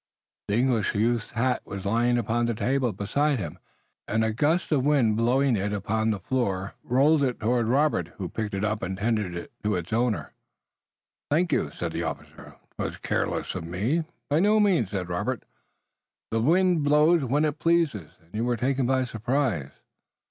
The English youth's hat was lying upon the table beside him, and a gust of wind blowing it upon the floor, rolled it toward Robert, who picked it up and tendered it to its owner. "Thanks," said the officer. "'Twas careless of me." "By no means," said Robert. "The wind blows when it pleases, and you were taken by surprise."